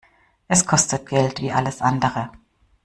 Es kostet Geld wie alles andere.